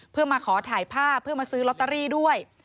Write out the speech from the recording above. เพื่อมาขอถ่ายภาพเพื่อมาซื้อลอตเตอรี่ด้วย